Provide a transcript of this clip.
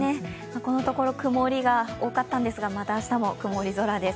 このところ曇りが多かったんですが、また明日も曇り空です。